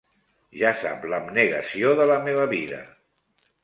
Ja sap l'abnegació de la meva vida